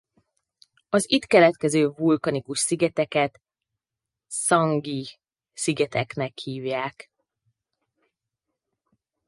Az itt keletkező vulkanikus szigeteket Sangihe-szigeteknek hívják.